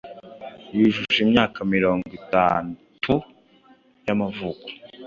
yujuje imyaka mirongo itatu y’amavuko,